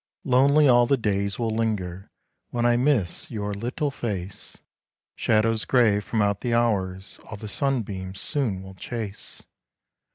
Lonely all the days will linger, When I miss your little face; Shadows gray, from out the hours, All the sunbeams soon will chase.